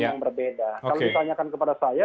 yang berbeda kalau ditanyakan kepada saya